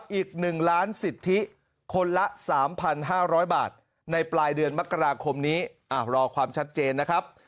อีก๑ล้านสิทธิคนละ๓๕๐๐บาทในปลายเดือนมกราคมนี้รอความชัดเจนนะครับ